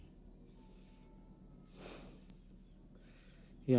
akan semakin bertambah sultan